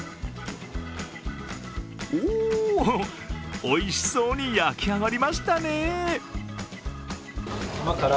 おお、おいしそうに焼き上がりましたね。